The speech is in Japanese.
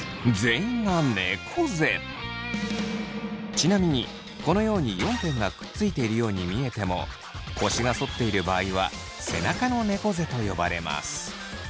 ちなみにこのように４点がくっついているように見えても腰が反っている場合は背中のねこ背と呼ばれます。